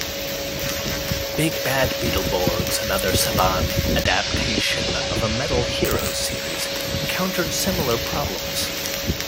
"Big Bad Beetleborgs", another Saban adaptation of a Metal Heroes series, encountered similar problems.